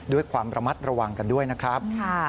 ด้วยความระมัดระวังกันด้วยนะครับ